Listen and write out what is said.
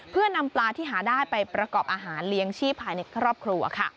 เพื่อนำปลาที่หาได้ไปประกอบอาหารเลี้ยงชีพภายในครอบครัวค่ะ